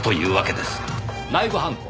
内部犯行。